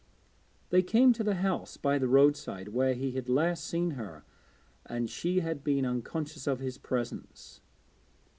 They came to the house by the roadside where he had last seen her and she had been unconscious of his presence.